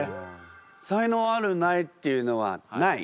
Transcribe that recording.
才能あるないっていうのはない？